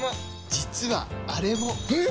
実はあれも！え！？